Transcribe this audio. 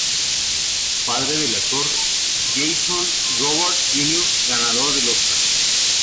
Padre del actor, Jason Robards, Jr., ganador del Oscar.